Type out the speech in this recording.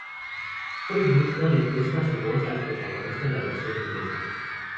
Corey Burton le presta su voz al protagonista en la versión inglesa.